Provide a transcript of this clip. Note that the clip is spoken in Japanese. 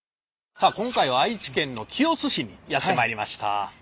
さあ今回は愛知県の清須市にやってまいりました。